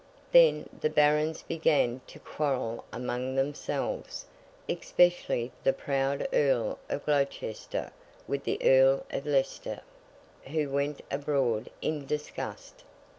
Then, the Barons began to quarrel among themselves; especially the proud Earl of Gloucester with the Earl of Leicester, who went abroad in disgust.